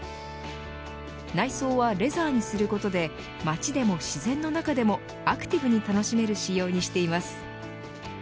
内装はレザーにすることで街でも自然の中でもアクティブに楽しめる仕様にしています。